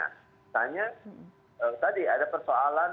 misalnya tadi ada persoalan